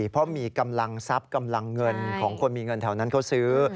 เพราะมีกำลังทรัพย์กำลังเงินของคนมีเงินแถวนั้นเขาซื้อ